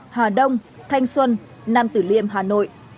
hà đông thanh xuân nam tử liêm hà nội